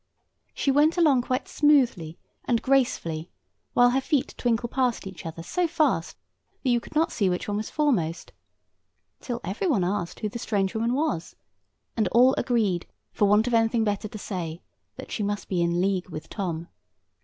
She went along quite smoothly and gracefully, while her feet twinkled past each other so fast that you could not see which was foremost; till every one asked the other who the strange woman was; and all agreed, for want of anything better to say, that she must be in league with Tom.